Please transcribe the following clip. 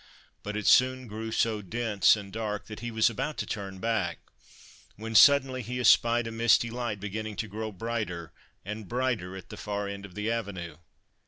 But it soon grew so dense and dark, that he was about to turn back, when suddenly he espied a misty light beginning to grow brighter and brighter at the far end of the avenue.